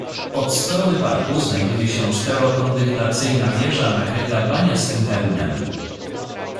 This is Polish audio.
Od strony parku znajduje się czterokondygnacyjna wieża nakryta baniastym hełmem.